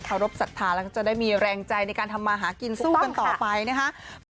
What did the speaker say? เคารพสัตว์ฐานแล้วก็จะได้มีแรงใจในการทำมาหากินสู้กันต่อไปนะครับ